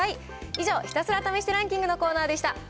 以上、ひたすら試してランキングのコーナーでした。